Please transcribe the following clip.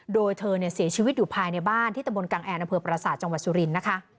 โดยเธอเนี่ยเสียชีวิตอยู่ภายในบ้านที่ตระบวนกลางแอร์ณพปราศาสตร์จังหวัดสุรินทร์นะคะ